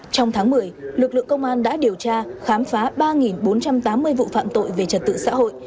trong tháng một mươi lực lượng công an đã điều tra khám phá ba bốn trăm tám mươi vụ phạm tội về trật tự xã hội